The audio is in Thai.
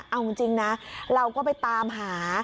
เอาจริงนะเราก็ไปตามหา